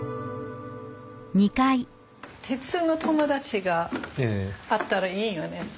鉄の友達があったらいいよね。